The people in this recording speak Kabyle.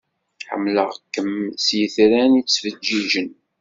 Ḥemmleɣ-kem s yitran i yettfeǧiǧen.